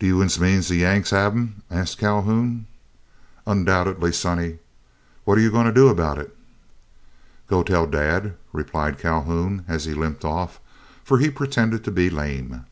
"Do yo uns mean the Yanks hev 'em?" asked Calhoun. "Undoubtedly, sonny. What are you going to do about it?" "Goin' to tell dad," replied Calhoun, as he limped off, for he pretended to be lame.